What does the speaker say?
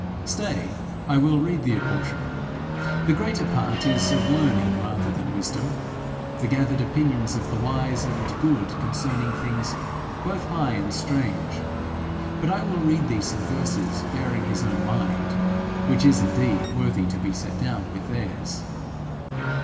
'Stay, I will read thee a portion. The greater part is of learning rather than wisdom the gathered opinions of the wise and good concerning things both high and strange; but I will read thee some verses bearing his own mind, which is indeed worthy to be set down with theirs.'